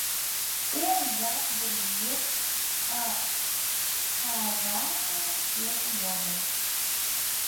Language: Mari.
Ер ямде лийын, а хӓрра шкеже йомын.